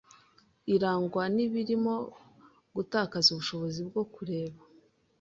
irangwa n’ibirimo gutakaza ubushobozi bwo kureba